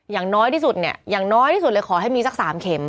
อย่างน้อยที่สุดเนี่ยอย่างน้อยที่สุดเลยขอให้มีสัก๓เข็ม